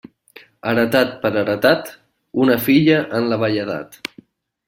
Heretat per heretat, una filla en la velledat.